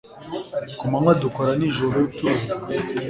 Ku manywa dukora nijoro turuhuka